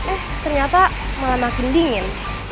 eh ternyata malah makin dingin